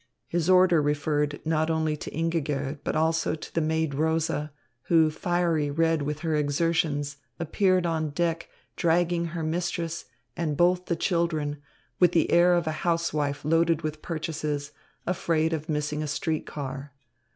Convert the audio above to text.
His order referred not only to Ingigerd, but also to the maid Rosa, who, fiery red with her exertions, appeared on deck dragging her mistress and both the children, with the air of a housewife loaded with purchases, afraid of missing a street car.